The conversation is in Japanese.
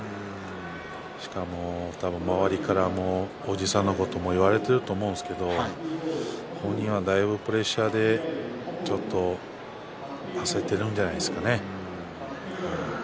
しかも、周りからもおじさんのことも言われていると思うんですが本人もだいぶプレッシャーでちょっと焦っているんじゃないですかね。